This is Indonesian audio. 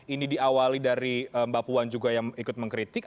ini diawali dari bapuan juga yang ikut mengkritik